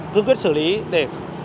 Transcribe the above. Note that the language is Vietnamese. cương quyết xử lý